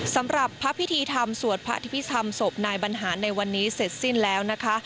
สำหรับพระพิธีธรรมสวดพระอภิษฐรรมศพนายบรรหารในวันนี้เสร็จสิ้นแล้วนะคะ